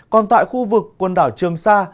còn tại khu vực quần đảo trường sa